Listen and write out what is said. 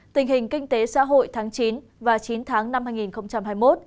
tình hình kinh tế xã hội tháng chín và chín tháng năm hai nghìn hai mươi một